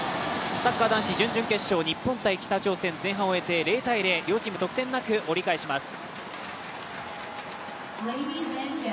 サッカー男子準々決勝日本×北朝鮮、０−０．両チーム得点なく折り返します。